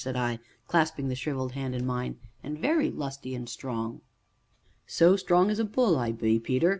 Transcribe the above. said I, clasping the shrivelled hand in mine, "and very lusty and strong " "So strong as a bull I be, Peter!"